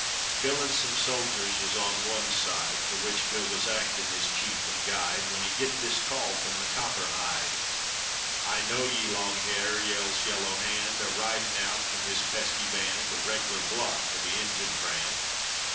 Bill an' some soljers was on one side, For which Bill was actin' as chief an' guide, When he git this call from the copper hide: "I know ye, Long Hair," yells Yellow Hand, A ridin' out from his pesky band (A reg'lar bluff o' the Injun brand).